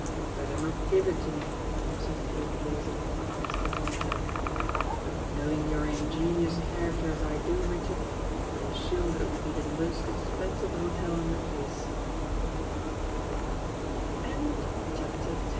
"Better not give it to me," said Drewitt lazily, extending a hand. "But knowing your ingenuous character as I do, Richard, I assume that it will be the most expensive hote